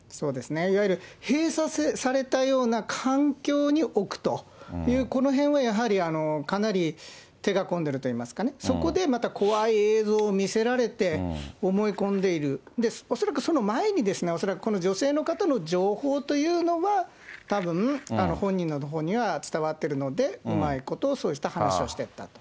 いわゆる閉鎖されたような環境に置くという、このへんはやはりかなり手がこんでるといいますかね、そこでまた、怖い映像を見せられて、思い込んでいる、恐らくその前に、恐らくこの女性の方の情報というのはたぶん、本人のほうには伝わってるので、うまいことそうした話をしていったと。